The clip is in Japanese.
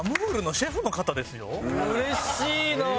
うれしいな！